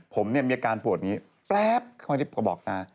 ผมเนี่ยมีอาการปวดแป๊บ